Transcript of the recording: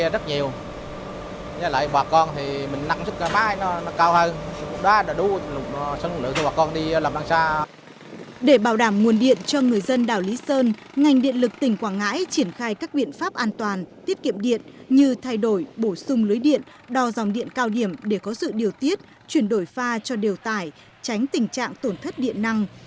để bảo đảm nguồn điện cho người dân đảo lý sơn ngành điện lực tỉnh quảng ngãi triển khai các biện pháp an toàn tiết kiệm điện như thay đổi bổ sung lưới điện đo dòng điện cao điểm để có sự điều tiết chuyển đổi pha cho điều tải tránh tình trạng tổn thất điện năng